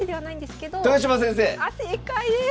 あ正解です！